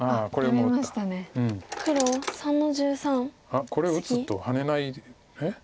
あっこれ打つとハネないえっ？